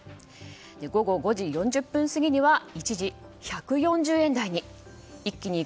午後５時４０分過ぎには一時、１４０円台に。